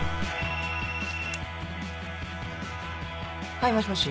はいもしもし？